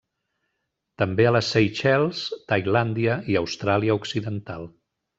També a les Seychelles, Tailàndia i Austràlia Occidental.